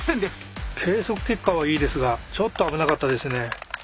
計測結果はいいですがちょっと危なかったですね。